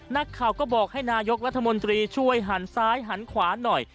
นักข่าวก็บอกให้นายกรัฐมนตรีช่วยหันซ้ายหันขวาหน่อย